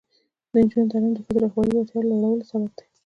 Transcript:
د نجونو تعلیم د ښځو رهبري وړتیا لوړولو سبب دی.